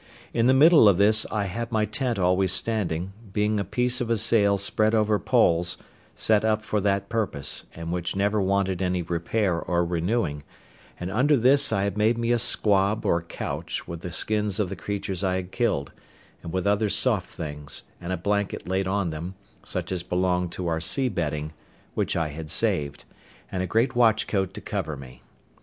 In the middle of this I had my tent always standing, being a piece of a sail spread over poles, set up for that purpose, and which never wanted any repair or renewing; and under this I had made me a squab or couch with the skins of the creatures I had killed, and with other soft things, and a blanket laid on them, such as belonged to our sea bedding, which I had saved; and a great watch coat to cover me.